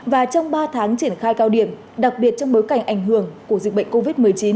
và trong ba tháng triển khai cao điểm đặc biệt trong bối cảnh ảnh hưởng của dịch bệnh covid một mươi chín